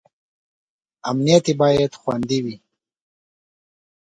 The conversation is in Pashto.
امنیت یې باید خوندي وي.